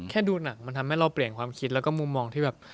ดูหนังมันทำให้เราเปลี่ยนความคิดแล้วก็มุมมองที่แบบ